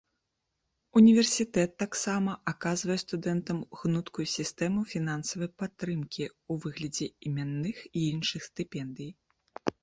Універсітэт таксама аказвае студэнтам гнуткую сістэму фінансавай падтрымкі ў выглядзе імянных і іншых стыпендый.